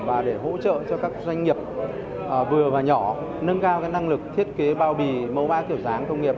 và để hỗ trợ cho các doanh nghiệp vừa và nhỏ nâng cao năng lực thiết kế bao bì mẫu mã kiểu dáng công nghiệp